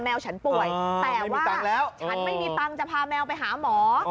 แมวฉันป่วยอ่าไม่มีตังค์แล้วแต่ว่าฉันไม่มีตังค์จะพาแมวไปหาหมอ